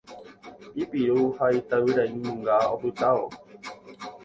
Ipiru ha itavyrainunga opytávo.